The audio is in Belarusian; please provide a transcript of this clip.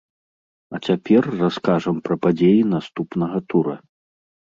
А цяпер раскажам пра падзеі наступнага тура.